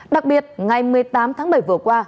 đặc biệt ngày một mươi tám tháng bảy vừa qua